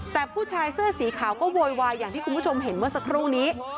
แต่ผู้ชายเสื้อสีขาวก็โวยวายอย่างที่คุณผู้ชมเห็นเมื่อสักครู่นี้